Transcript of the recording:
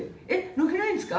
抜けないんですか？